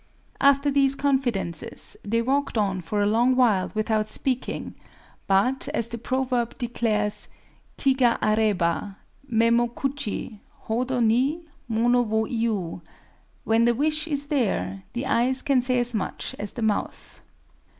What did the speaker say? After these confidences, they walked on for a long while without speaking; but, as the proverb declares, Ki ga aréba, mé mo kuchi hodo ni mono wo iu: "When the wish is there, the eyes can say as much as the mouth."